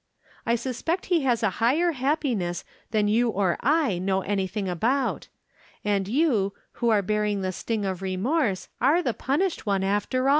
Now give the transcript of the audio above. I sus pect he has a higher happiness than you or I know anything about. And you, who are bear ing the sting of remorse, are the punished one, after aU."